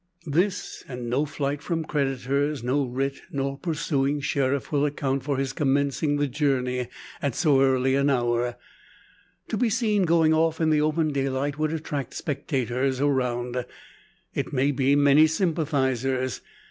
This, and no flight from creditors, no writ, nor pursuing sheriff, will account for his commencing the journey at so early an hour. To be seen going off in the open daylight would attract spectators around; it may be many sympathisers.